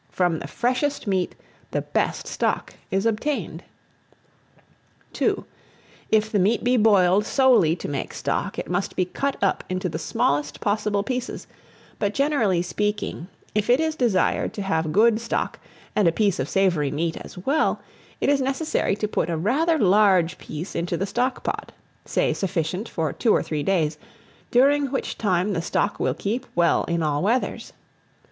From the freshest meat the best stock is obtained. II. IF THE MEAT BE BOILED solely to make stock, it must be cut up into the smallest possible pieces; but, generally speaking, if it is desired to have good stock and a piece of savoury meat as well, it is necessary to put a rather large piece into the stock pot, say sufficient for two or three days, during which time the stock will keep well in all weathers.